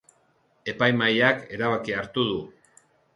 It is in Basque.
Epaimahaiak erabakia hartu du.